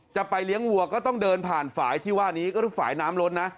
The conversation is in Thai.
จะไปเลี้ยงวัวก็ต้องเดินผ่านฝ่ายที่ว่านี้ก็คือฝ่ายน้ำล้นนะ